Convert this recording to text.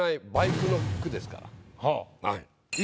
はい。